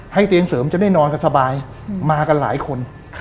เตียงเสริมจะได้นอนกันสบายมากันหลายคน